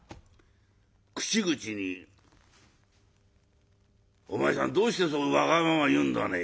口々に「お前さんどうしてそうわがまま言うんだね？